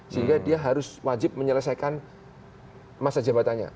sehingga dia harus wajib menyelesaikan masa jabatannya